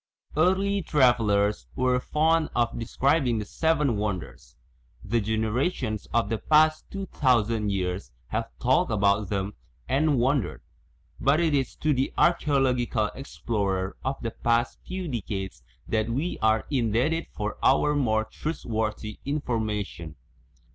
Early travellers were fond of describing the Seven Wonders; the generations of the past two thousand years have talked about them and won dered, but it is to the archaeological explorer of the past few decades that we are indebted for our more trustworthy information.